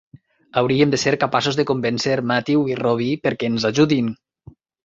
Hauríem de ser capaços de convèncer Matthew i Robbie perquè ens ajudin.